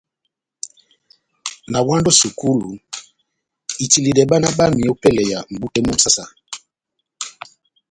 Nawandi ó sukulu itiledɛ bána bámi ópɛlɛ mʼbú tɛ́h mú saha-saha.